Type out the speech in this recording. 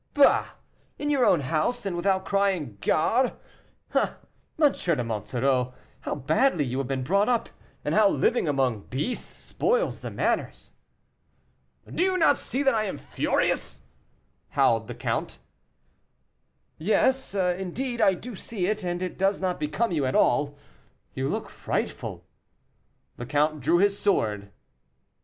"Bah! in your own house, and without crying, gare. Ah! M. de Monsoreau, how badly you have been brought up, and how living among beasts spoils the manners." "Do you not see that I am furious?" howled the count. "Yes, indeed, I do see it, and it does not become you at all; you look frightful." The count drew his sword.